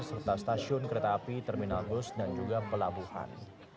serta stasiun kereta api terminal bus dan juga pelabuhan